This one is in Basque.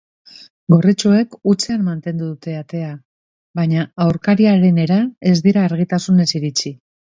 Gorritxoek hutsean mantendu dute atea, baina aurkariarenera ez dira argitasunez iritsi.